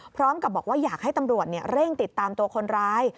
พร้อมกับบอกว่าอยากให้ตำรวจเร่งติดตามตัวคนร้าย